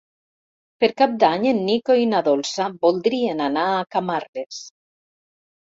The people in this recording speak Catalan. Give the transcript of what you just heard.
Per Cap d'Any en Nico i na Dolça voldrien anar a Camarles.